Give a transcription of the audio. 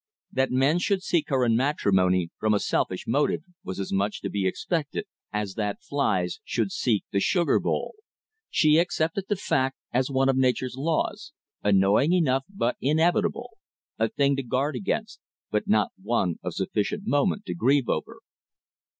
That men should seek her in matrimony from a selfish motive was as much to be expected as that flies should seek the sugar bowl. She accepted the fact as one of nature's laws, annoying enough but inevitable; a thing to guard against, but not one of sufficient moment to grieve over.